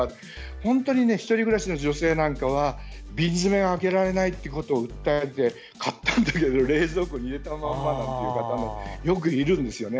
本当に１人暮らしの女性なんかは瓶詰を開けられないってことを訴えて、買ったんだけども冷蔵庫に入れたままという方もよくいるんですよね。